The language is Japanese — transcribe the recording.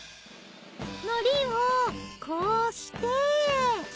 海苔をこうして。